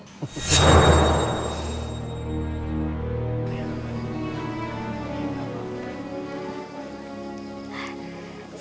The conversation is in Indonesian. aku akan memotori tanganmu